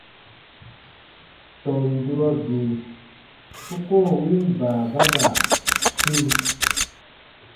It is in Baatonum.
Tɔn durɔ bii u koo win baababa swĩ.